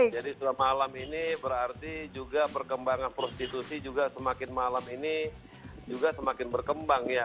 jadi sudah malam ini berarti juga perkembangan prostitusi juga semakin malam ini juga semakin berkembang ya